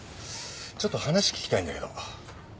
ちょっと話聞きたいんだけど。